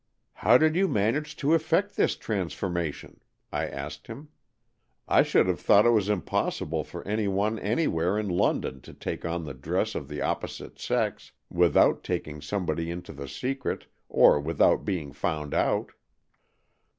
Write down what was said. " How did you manage to effect this trans formation ?" I asked him. " I should have thought it was impossible for any one any where in London to take on the dress of the opposite sex, without taking somebody into the secret, or without being found out."